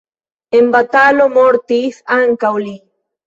En batalo mortis ankaŭ li.